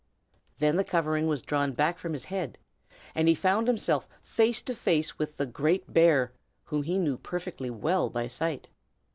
Then the covering was drawn back from his head, and he found himself face to face with the great bear, whom he knew perfectly well by sight.